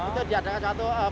itu diadakan satu pertolongan